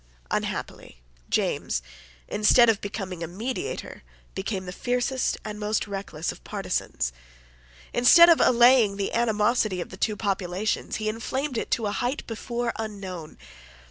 Unhappily James, instead of becoming a mediator became the fiercest and most reckless of partisans. Instead of allaying the animosity of the two populations, he inflamed it to a height before unknown.